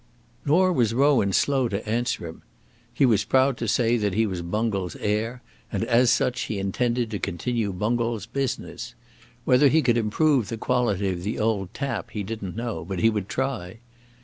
Nor was Rowan slow to answer him. He was proud to say that he was Bungall's heir, and as such he intended to continue Bungall's business. Whether he could improve the quality of the old tap he didn't know, but he would try.